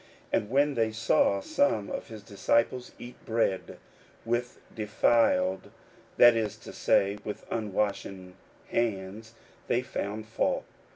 41:007:002 And when they saw some of his disciples eat bread with defiled, that is to say, with unwashen, hands, they found fault.